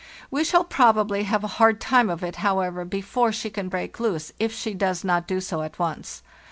We shall probably have a hard time of it, however, before she can break loose if she does not do so at once.